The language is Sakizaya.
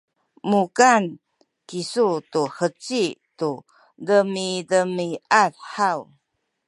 mukan kisu tu heci tu demiamiad haw?